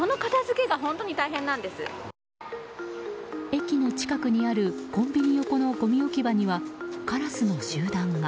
駅の近くにあるコンビニ横のごみ置き場にはカラスの集団が。